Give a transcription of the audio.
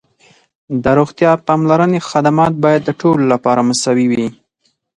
د روغتیا پاملرنې خدمات باید د ټولو لپاره مساوي وي.